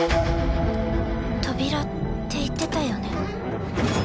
扉って言ってたよね？